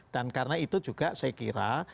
dan karena itu juga saya kira